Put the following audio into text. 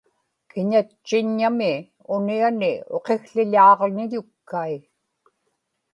kinatchiññami uniani uqikł̣iḷaaġniḷukkai